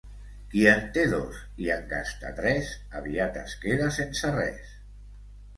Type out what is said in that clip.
Qui en té dos i en gasta tres, aviat es queda sense res.